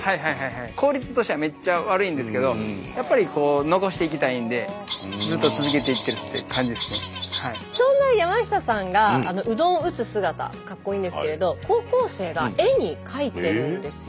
効率としてはめっちゃ悪いんですけどやっぱりそんな山下さんがうどんを打つ姿かっこいいんですけれど高校生が絵に描いてるんですよ。